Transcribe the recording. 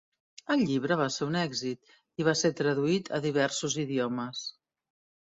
El llibre va ser un èxit i va ser traduït a diversos idiomes.